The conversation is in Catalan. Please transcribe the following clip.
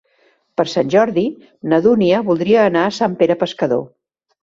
Per Sant Jordi na Dúnia voldria anar a Sant Pere Pescador.